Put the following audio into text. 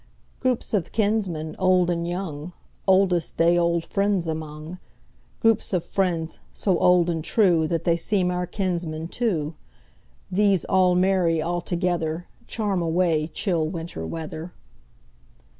Groups of kinsmen, old and young, Oldest they old friends among; Groups of friends, so old and trueThat they seem our kinsmen too; These all merry all togetherCharm away chill Winter weather.